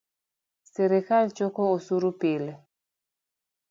Sirikal choko osuru pile